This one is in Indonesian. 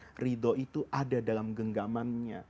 sebelum dia yakin ridho itu ada dalam genggamannya